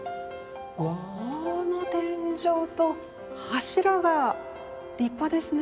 この天井と柱が立派ですね。